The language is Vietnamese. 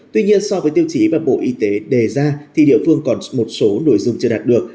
tuy nhiên so với tiêu chí mà bộ y tế đề ra thì địa phương còn một số nội dung chưa đạt được